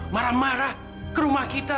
marah marah ke rumah kita